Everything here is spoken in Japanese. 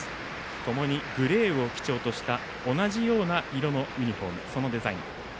ともにグレーを基調とした同じような色のユニフォームデザイン。